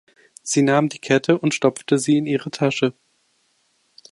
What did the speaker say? Sie nahm die Kette und stopfte sie in ihre Tasche